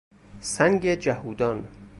سنگ جهودان